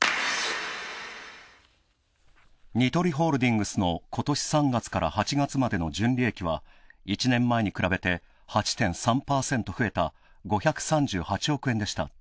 ニトリホールディングスのことし３月から８月までの純利益は１年前に比べて８．３％増えた５３８億円でした。